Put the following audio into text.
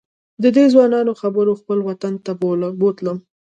ددې ځوانانو خبرو خپل وطن ته بوتلم.